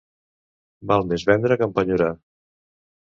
Val més vendre que empenyorar.